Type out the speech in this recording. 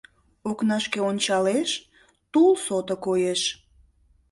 Окнашке ончалеш, тул сото коеш.